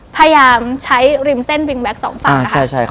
พยายามใช้ริมเส้นวิ่งแวคสองฝั่ง